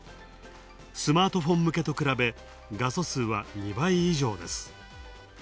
スマートフォン向けと比べ、画素数は２倍以上です。